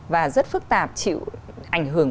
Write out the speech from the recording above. và rất phức tạp chịu ảnh hưởng